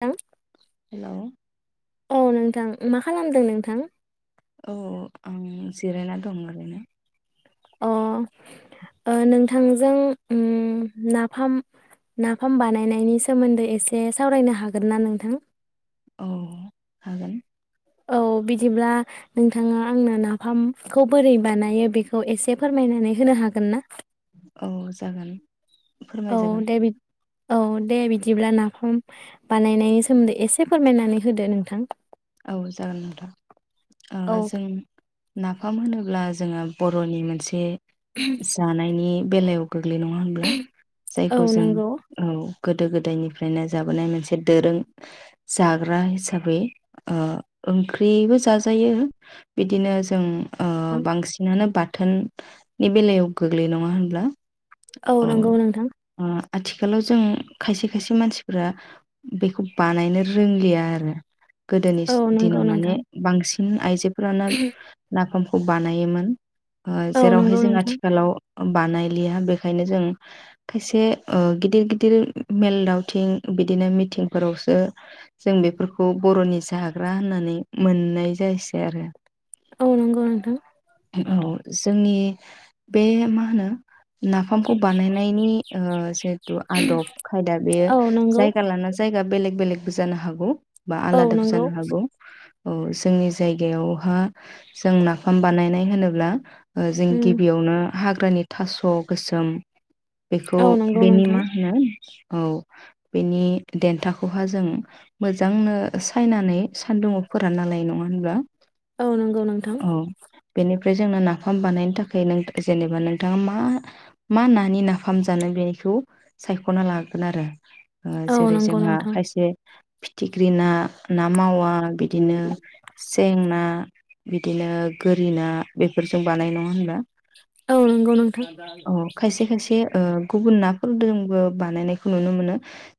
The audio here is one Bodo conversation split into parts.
थां हेलौ औ नोंथां मा खालामदों नोंथां? औ आं जिरायना दं ओरैनो। अ ओ नोंथांजों उम नाफाम नाफाम बानायनायनि सोमोन्दै एसे सावरायनो हागोन ना नोंथां? औ हागोन। औ बिदिब्ला नोंथाङा आंनो नाफामखौ बोरै बानायो बेखौ एसे फोरमायनानै होनो हागोन ना? औ जागोन। औ फोरमायजागोन दे बि औ दे बिदिब्ला नाफाम बानायनायनि सोमोन्दै एसे फोरमायनानै होदो नोंथां। औ जागोन नोंथा औ ओ जों नाफाम होनोब्ला जोङो बर'नि मोनसे जानायनि बेलायाव गोग्लै नङा होनब्ला औ जायखौ जों नंगौ औ गोदो गोदायनिफ्रायनो जाबोनाय मोनसे दोरों जाग्रा हिसाबै ओ ओंख्रिबो जाजायो बिदिनो जों ओ बांसिनानो बा बाथोननि बेलायाव गोग्लैयो नङा होनब्ला औ नोंगौ नोंथां। ओ आथिखालाव जों खायसे खायसे मानसिफोरा बेखौ बानायनो रोंलिया आरोना गोदोनि औ नंगौ दिनाव माने नोंथां बांसिन उ आइजो फोराना नाफाम खौ बानायोमोन। ओ औ जेरावहाय नंगौ जों नोंथां आथिखालाव बानायलिया बेखायनो जों खायसे ओ गिदिर गिदिर मेल दावथिं बिदिनो मिथिंफोरावसो जों बेफोरखौ बर'नि जाग्रा होननानै मोननाय जायसै आरो औ नंगौ नोंथां। औ जोंनि बे मा होनो नाफामखौ बानायनायनि ओ जिहेथु आदब खायदा बेयो औ नंगौ जायगा लाना जाय बेलेग बेलेगबो जानो हागौ। बा औ आलादाबो नंगौ जानो हागौ। औ जोंनि जायगायावहा जों नाफाम बानायनाय होनोब्ला ओ जों उम गिबियावनो हाग्रानि थास' गोसोम बेखौ औ नंगौ बेनि नोंथां मा होनो औ बेनि देन्थाखौहा जों मोज जांनो सायनानै सान्दुङाव फोरानना लायो नङा होनबा औ नंगौ नोंथां औ बेनि ओमफाय जोंनो नाफाम बानायनो थाखाय नों जेनेबा नोंथाङा मा मा नानि नाफाम जानो बेनिखौ सायख'ना लागोन आरो। ओ औ जेरै नंगौ जोंहा नोंथां खायसे फिथिख्रि ना ना मावा बिदिनो सें ना बिदिनो गोरि ना बेफोरजों बानाय नङा होनबा औ नंगौ नों अ खायसे खायसे ओ गुबुना [unintelligible] बो बानायनायखौ नुनो मोनो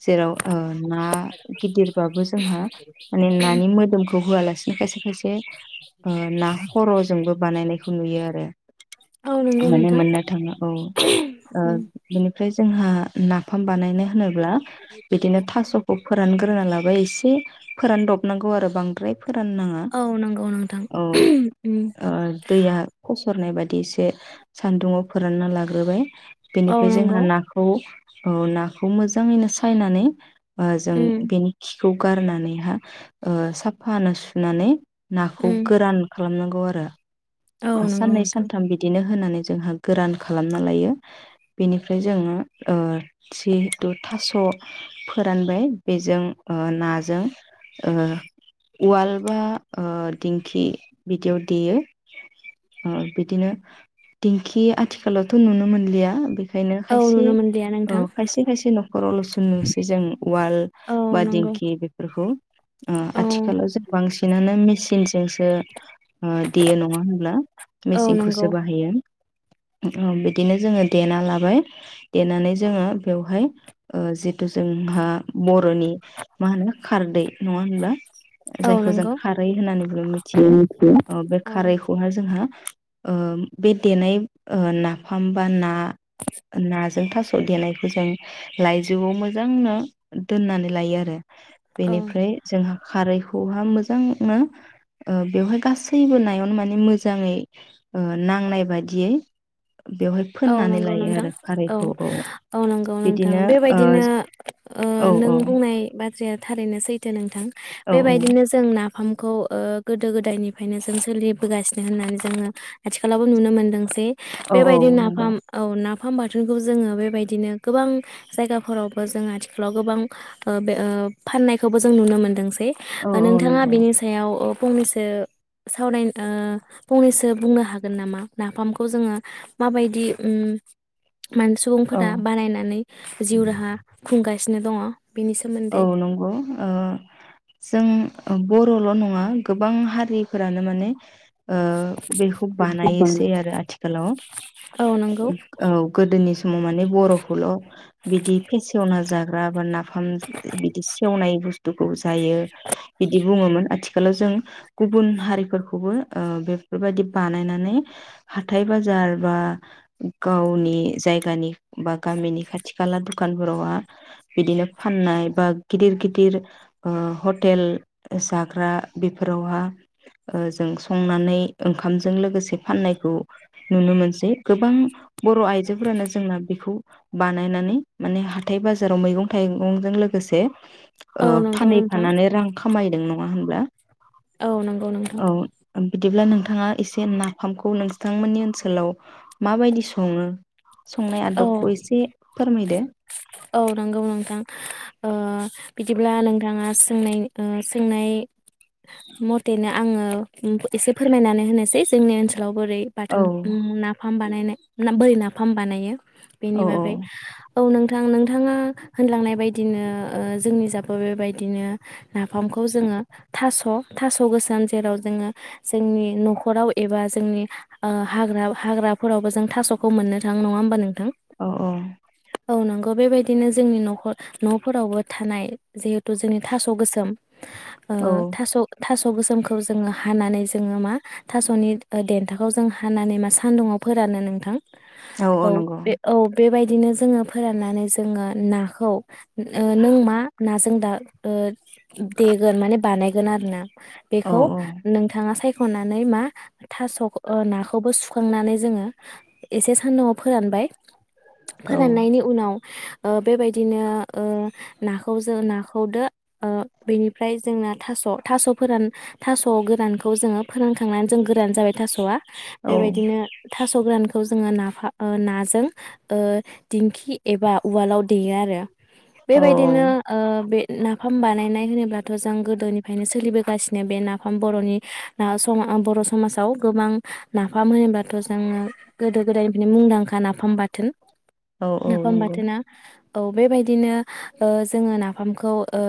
जेराव ओ ना गिदिरबाबो जोंहा माने नानि मोदोमखौ होआलासिनो खायसे खायसे ओ ना खर'जोंबो बानायनायखौ नुयो आरो औ नंगौ माने नोंथां मोननो थाङा औ ओ बेनिफ्राय जोंहा ना फाम बानायनो होनोब्ला बिदिनो थास'खौ फोरानग्रोना लाब एसे फोरानदबनांगौ आरो बांद्राय फोराननाङा औ नंगौ नोंथां औ ओ दैया फसरनाय बादि इसे सान्दुंआव फोरानना लाग्रोबाय औ बेनिफ्राय जोंहा नंगौ नाखौ औ नाखौ मोजाङैनो सायनानै बा जों बेनि खि खौ गारनानैहा ओ साफानो सुनानै नाखौ गोरान खालामनांगौ आरो औ नंगौ साननै नोंथां सानथाम बिदिनो होननानै जोंहा गोरान खालामना लायो बेनिफ्राय जोङो ओ जिहेतु थास' फोरानबाय बेजों ओ नाजों ओ उवाल बा ओ दिंखि बिदियाव देयो ओ बिदिनो दिं खि आथिखालावथ' नुनो मोनलिया बे ओंखायनो औ खायसे नुनो मोनलिया ओ नोंथां खायसे खायसे न'खरावल'सो नुसै जों उवाल औ बा नंगौ दिंखि बेफोरखौ अ औ आथिखालाव जों बांसिन -' बिनानो मिचिनजोंसो ओ देयो नङा होनब्ला औ नंगौ मेचिनखौसो बाहायो अ बिदिनो जोङो देना लाबाय देनानै जोङो बेवहाय ओ जिथु जोंहा बर'नि मा होनो खारदै नङा होनब्ला औ जायखौ जों नंगौ खारै होननानैबो मिथियो अ बे औ खारैखौहाय जोंहा ओ बिद देनाय ओ नाफाम बा ना ना जों थास' देनायखौ जों लाइजौआव मोजांनो दोननानै लायो आरो औ बेनिफ्राय जोंहा खारै बहा मोजांनो ओ बेवहाय गासैबो नायावनो माने मोजाङै ओ नांनायबाय दियै औ नंगौ नोंथां औ औ नंगौ नोंथां बिदिनो बेबायदिनो ओ नों बुंनाय बाथ्राया थारैनो सैथो नोंथां औ बेबायदिनो जों नाफाम खौ ओ गोदो गोदायनिफ्रायनो जों सोलिबोगासिनो होननानै जोङो आथिखालावबो नुनो मोनदों जे औ औ नं फाम औ नाफ फाम बाथोनखौ जोङो बेबायदिनो गोबां जायगाफोरावबो जों आथिखालाव गोबां ओ बे ओ फाननायखौबो जों नुनो मोन्दों औ [unintelligible] औ नोंथाङा नंगौ बिनि सायाव ओ फंनैसो सावराय ओ फंनैसो बुंनो हागोन नामा? नाफामखौ जोङो माबायद दि उम मान औ सुबुंफोरा बानायनानै जिउ राहा खुंगाय फिनो दङ बेनि औ सोमोन्दै नंगौ ओ जों बर'ल' नङ [unintelligible] गोबां हारिफोरानो माने ओ बेखौ बानायसै आरो आथिखालाव औ नंगौ औ गोदोनि समाव माने बर'खौल' बिदि फेसेवना जाग्रा बा नाफाम सेवनाय बुस्थुखौ जायो बिदि बुङोमोन आथि आथिखालाव जों गुबुन हारिफोरखौबो ओ बेफोरबादि बानायनानै हाथाइ बाजार बा गावनि जायगानि बा गामिनि खाथि खाला दुखानफोरावहा बिदिनो फाननाय बा गिदिर गिदिर ओ हटेल जाग्रा बेफोरावहा ओ जों संनानै ओंखामजों लोगोसे फाननायखौ नुनो मोनसै गोबां बर' आइजोफोरानो जोंना बेखौ बानायनानै माने हाथाइ बाजाराव मैगं थाइगंजों लोग गोसे औ ओ नंगौ नोंथां फानहैफानानै रां खामायदों [unintelligible] नङा होमब्ला औ नोंगौ नोंथां बिदिब्ला नोंथाङा एसे नाफामखौ नोंथांमोननि ओनसोलाव माबायदि सङो संनाय औ आदबखौ एसे फोरमायदो। औ नंगौ नोंथां ओ बिदिब्ला नोंथाङा सोंनाय ओ सोंनाय मथेनो आङो एसे फोरमायनानै होनोसै जोंनि ओनस लाव बोरै औ बाथोन उम नाफाम बानायनाय [unintelligible] बोरै नाफाम बानायो? बेनि औ बागै औ नों [unintelligible] नोंथाङा होनलांनाय बायदिनो ओ जोंनिजाबो बेबायदिनो नाफामखौ जोङो थास' थास' गोसोम जेराव जोङो जोंनि न'खराव एबा जोंनि ओ हाग्रा हाग्राफोरावबो जों थास'खौ मोननो थाङ नङा होमबा नोंथां? अ औ औ नंगौ बेबायदिनो जोंनि न'खर न'फोरावबो थानाय जे। जोंनि थ' गोसोम ओ औ थास' थास' थस' गोसोमखौ जोङो हानानै जोङो मा थास'नि देन्थाखौ जों हानानै मा सान्दुङाव फोरानो नोंथां। [inaudible] औ बे औ। बेबायदिनो जोङो फोराननानै। देगोन माने बानाय देगोन आरो ना। औ बेखौ औ नोंथाङा सायख' हनानै मा। थास' ओ नाखौबो सु सुखांनानै जोङो एसे सान्दुंआव फोरानबाय। औ फोराननायनि। [inaudible] ओ बेबायदिनो ओ नाखौ जों नाखौदो बेनिफ्राय जोंना थास' थास' फोरान थास' गोरानखौ जोङो फोरानखांनानै जों गोरान जाबाय थास'आ। बेबायदिनो। थास' गोरानखौ जोङो नाफा ओ नाजों ओ दिंखि। एबा उवालाव देयो आरो। औ बेबायदिनो ओ बे। नाफाम बानायनाय होनोब्लाथ' जों गोदोनिफ्रायनो सोलिबोगासिनो बे नाफाम बर'नि ओ समाज बर' समाजाव गोबां नाफाम होनोब्लाथ' जोङो। गोदो गोदायनिफ्रायनो मुंदांखा। खा नाफाम बाथोन। औ औ नाफाम नंगौ बाथोना। औ बेबायदिनो। ओ जोङो ना। फामखौ ओ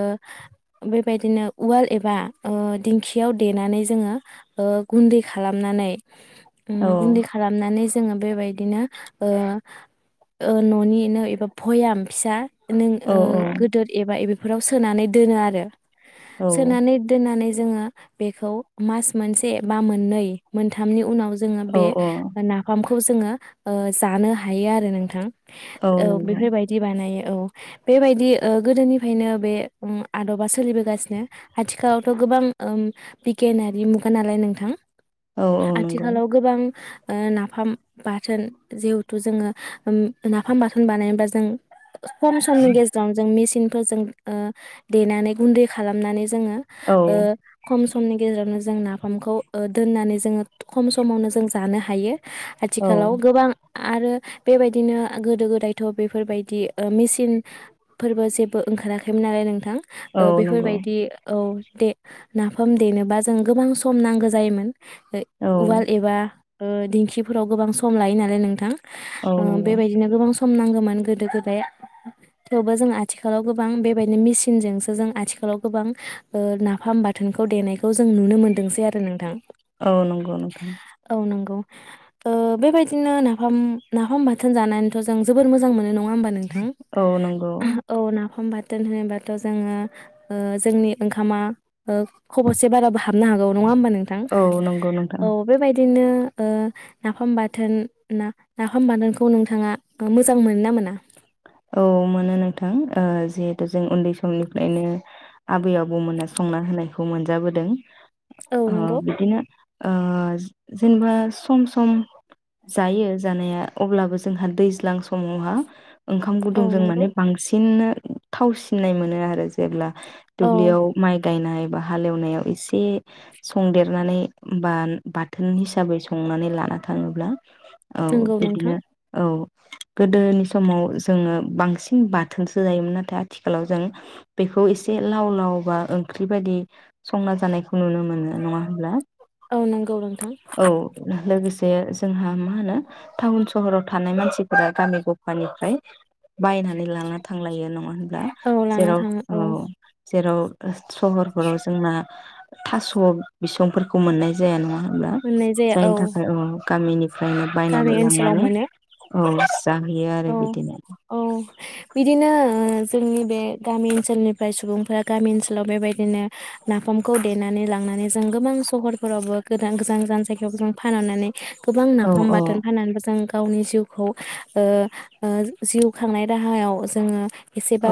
बेबायदिनो उवाल एबा ओ दिंखियाव देनानै जोङो ओ गुन्दै खालामनानै। ओम औ गुन्दै खालामनानै। जोङो बेबायदिनो ओ ओ। न'निनो एबा भयाम फिसा। नों औ ओ गोदोर एबा। बेफोराव सोनानै दोनो आरो। औ सोनानै दोननानै। जोङो बेखौ मस मोनसे एबा मोननै मोनथामनि उनाव। जोङो औ बे नाफाम। खौ जोङो ओ जानो हायो आरो नोंथां। औ बेफोरबायदि बानायो। औ बेबायदि ओ गोदोनिफ्रायनो बे ओं आदबा सोलिबोगासिनो आथिखालावथ' गोबां ओ बिगिनारि मुगा नालाय नोंथां। औ औ नंगौ आथिखालाव गोबां ओ नाफाम बाथोन जिहेथु जोङो उम। नाफाम बाथोन बानायोबा जों खम समनि गेजेरावनो जों मेचि चिनखौ जों ओ देनानै गुन्दै खालामनानै जोङो औ ओ खम सम। समनि गेजेरावनो जों नाफामखौ ओ दोननानै जोङो खम समावनो जों जानो हायो। औ आथिखालाव गोबां। आरो बेबायदिनो गोदो गोदायथ' बेफोरबायदि मेसिनफोरबो जेबो ओंखाराखैमोन नालाय नोंथां। औ ओ नंगौ बेफोरबायदि औ। दे नाफाम देनोबा जों गोबां सम नांगौ जायोमोन। औ उवाल एबा ओ दिंखिफोराव गोबां सम लायो नालाय नोंथां औ ओ नंगौ। बेबायदिनो गोबां सम खामनांगौमोन गोदो गोदाय थेवबो जों आथिखालाव गोबां बेबायदि मेसिनजोंसो जों आथिखालाव गोबां ओ नाफाम बाथोनखौ देनायखौ जों नुनो मोनदोंसै आरो नोंथां औ नंगौ नोंथां औ नंगौ। ओ बेबायदिनो नाफाम नाफाम बा थोन जानानैथ' जों जोबोर मोजां मोनो नङा। नङा होनबा नोंथां औ नंगौ औ नाफाम बाथ थोन होनोबाथ' जोङो ओ जोंनि ओंखामा खबसे बारा हा हाबनो हागौ नङा होमबा नोंथां औ नंगौ नोंथां औ बेबायदिनो ओ नाफाम बाथोन ना नाफाम बानाखौ खौ नोंथाङा मोजां मोनो ना मोना? औ मोनो नोंथां ओ जिहेथु जों उन्दै समनिफ्रायनो आबै आबौमोनहा संना होनायखौ मोनजाबोदों। औ अ नंगौ बिदिनो ओ जेनेबा सम-सम जायो जानाया अब्लाबो जोंहा दैज्लां समावहा ओंखाम औ गुदुंजों नंगौ माने बांसिनानो थाव सिननाय मोनो आरो जेब्ला औ दुब्लियाव माइ गायनाय। बा हालेवनायाव एसे संदेरनानै बा बाथोन हिसाबै संनानै लाना थांङोब्ला। औ नंगौ नोंथां बिदिनो औ। गोदोनि समाव जोङो बांसिन बाथोनसो जायोमोन नाथाय आथिखालाव जों बेखौ एसे लाव-लाव बा ओंख्रि बायदि संना जानाय नुनो मोनो नङा होनब्ला औ नंगौ नोंथां औ लोगोसे बे जोंहा मा होनो टाउन सहराव थानाय मानसिफोरा गामि ग मानिफ्राय बायनानै लाना थांलायो नङा होनब्ला औ लाना जेराव थाङो औ जेराव औ ओ सहरफोराव जोंना थास बिसं फोर खौ मोननाय जाया नंङा होनब्ला मोननाय जाया जायनि थाखाय औ गामिनि फ्रायनो गामि बायनानै ओनसोलाव लांनानै मोनो औ जाहैयो आरो बि औ बिदिनो ओ जोंनि बे गामि ओनसोलनिफ्राय सुबुंफोरा गामि ओनसोलाव बेबायदिनो नाफामखौ देनानै लांनानै जों गोबां सहरफोरावबो गोदान गोजान-गोजान जायगायाव जों फानहरनानै औ नाफाम औ बाथोन फाननानैबो जों गावनि जिउखौ ओ ओ जिउ खांनाय राहायाव जोंङो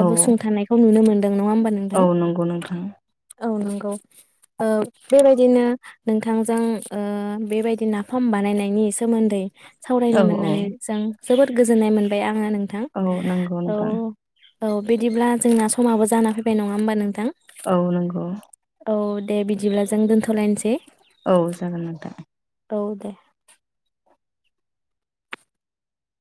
औ सुंथानायखौ नुनो मोनदों नङा होमबा औ नोंथां नंगौ नोंथां औ नोंगौ ओ बेबायदिनो नोंथांजों ओ बेबायदि नाफाम बानायनायनि सोमोन्दै सावरायनो औ औ मोननानै जों जोबोद गोजोननाय मोनबाय आं ओ नोंथां औ नंगौ औ नोंथां औ बिदिब्ला जोंना समाबो जाना फैबाय नंङा होमबा नोंथां औ नोंगौ औ दे बिदिब्ला जों दोन्थलायनोसै औ जागोन नोंथां औ दे